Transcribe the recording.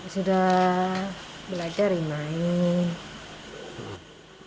sudah belajar main